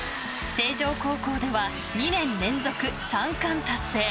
星城高校では２年連続３冠達成。